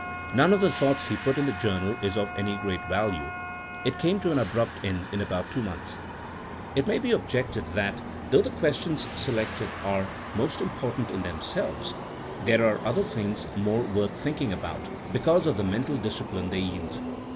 None of the thoughts he put in the journal is of any great value. It came to an abrupt end in about two months. It may be objected that though the questions selected are most important in themselves, there are other things more worth thinking about, be cause of the mental discipline they yield.